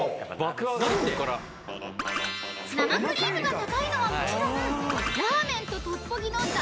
［生クリームが高いのはもちろんラーメンとトッポギのＷ